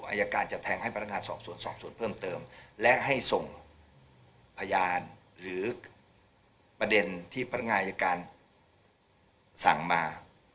อายการจะแทงให้พนักงานสอบสวนสอบส่วนเพิ่มเติมและให้ส่งพยานหรือประเด็นที่พนักงานอายการสั่งมา